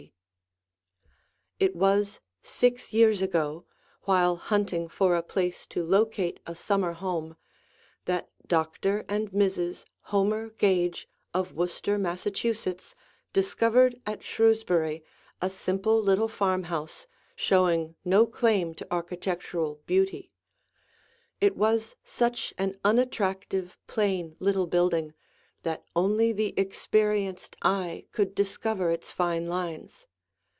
[Illustration: IRISTHORPE FRONT VIEW] It was six years ago, while hunting for a place to locate a summer home, that Doctor and Mrs. Homer Gage of Worcester, Massachusetts, discovered at Shrewsbury a simple little farmhouse, showing no claim to architectural beauty. It was such an unattractive, plain, little building, that only the experienced eye could discover its fine lines.